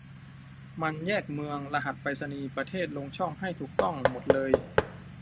มันแยกเมือง รหัสไปรษณีย์ ประเทศ ลงช่องให้ถูกต้องหมดเลย